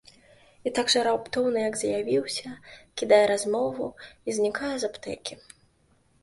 І так жа раптоўна, як з'явіўся, кідае размову і знікае з аптэкі.